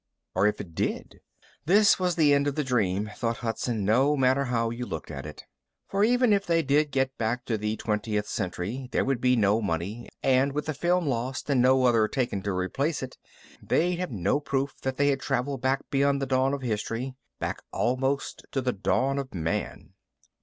Or if it did? This was the end of the dream, thought Hudson, no matter how you looked at it. For even if they did get back to the twentieth century, there would be no money and with the film lost and no other taken to replace it, they'd have no proof they had traveled back beyond the dawn of history back almost to the dawn of Man.